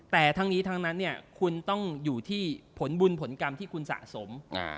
แต่ทั้งนี้ทั้งนั้นคุณต้องอยู่ที่ผลบุญผลกรรมที่คุณสะสม